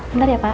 bentar ya pak